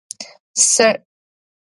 سړي تېزه ساه وهله.